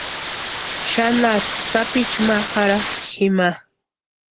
Xanharu sapichu ma jarhasti jima.